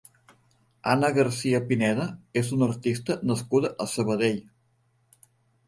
Anna Garcia-Pineda és una artista nascuda a Sabadell.